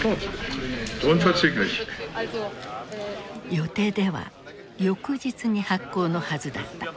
予定では翌日に発効のはずだった。